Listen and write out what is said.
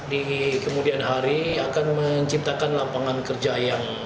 di kemudian hari akan menciptakan lapangan kerja yang